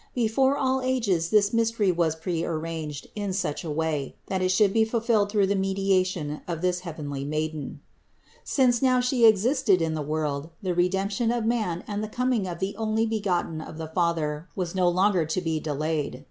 Before all ages this mystery was prearranged in such a way, that it should be fulfilled through the mediation of this heavenly Maiden. Since now She existed in the world the Redemption of man and the coming of the Onlybegotten of the Father was not longer to be de layed.